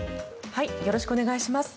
よろしくお願いします。